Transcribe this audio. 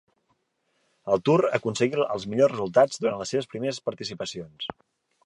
Al Tour aconseguí els millors resultats durant les seves primeres participacions.